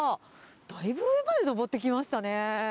だいぶ上まで上ってきましたね。